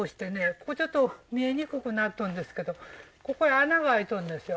ここちょっと見えにくくなっとんですけどここへ穴が開いとんですよ